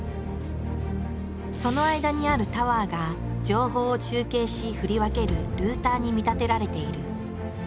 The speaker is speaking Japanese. その間にあるタワーが情報を中継し振り分けるルーターに見立てられている。